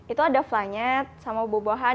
itu ada flanya sama bubohan